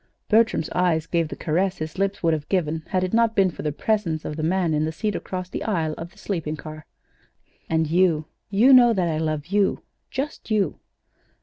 Bertram's eyes gave the caress his lips would have given had it not been for the presence of the man in the seat across the aisle of the sleeping car. "And you you know now that I love you just you?"